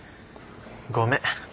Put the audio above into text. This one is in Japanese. ごめん。